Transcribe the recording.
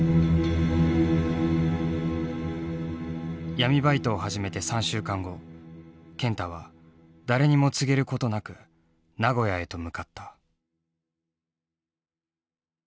闇バイトを始めて３週間後健太は誰にも告げることなく名古屋へと向かった。